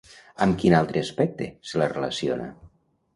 Amb quin altre aspecte se la relaciona?